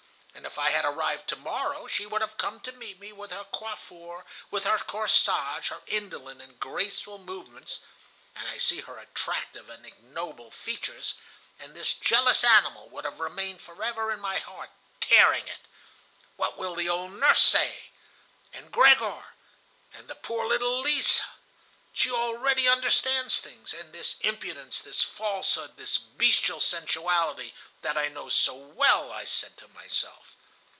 And if I had arrived to morrow, she would have come to meet me with her coiffure, with her corsage, her indolent and graceful movements (and I see her attractive and ignoble features), and this jealous animal would have remained forever in my heart, tearing it. What will the old nurse say? And Gregor? And the poor little Lise? She already understands things. And this impudence, this falsehood, this bestial sensuality, that I know so well,' I said to myself.